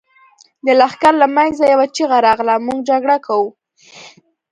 د لښکر له مينځه يوه چيغه راغله! موږ جګړه کوو.